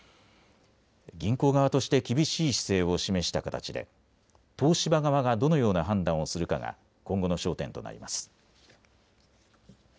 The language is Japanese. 銀行側として厳しい姿勢を示した形で東芝側がどのような判断をするかが今後の焦点となります。